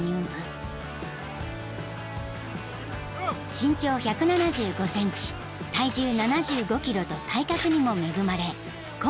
［身長１７５ｃｍ体重７５ｋｇと体格にも恵まれコーチも期待］